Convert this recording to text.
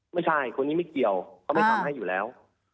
ไม่ใช่คนนี้ไม่เกี่ยวเขาไม่ทำให้อยู่แล้ว